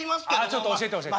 ちょっと教えて教えて。